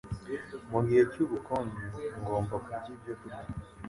mu gihe cy’ubukonje. Ngomba kurya ibyokurya